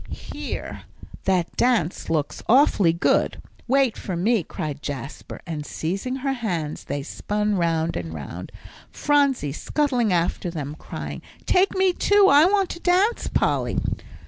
"Here that dance looks awfully good wait for me," cried Jasper. And seizing her hands, they spun round and round, Phronsie scuttling after them, crying, "Take me, too. I want to dance, Polly."